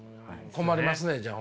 困りますねじゃあ。